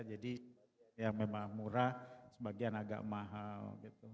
jadi yang memang murah bagian agak mahal